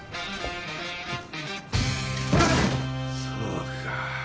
そうか。